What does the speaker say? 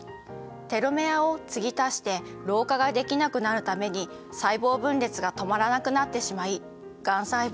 テロメアを継ぎ足して老化ができなくなるために細胞分裂が止まらなくなってしまいがん細胞になってしまうのです。